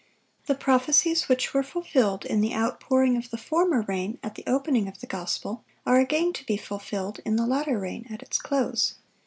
The prophecies which were fulfilled in the outpouring of the former rain at the opening of the gospel, are again to be fulfilled in the latter rain at its close.